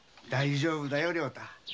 大丈夫だよ良太。